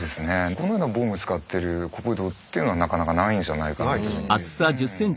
このような防具使ってる古武道っていうのはなかなかないんじゃないかなと思います。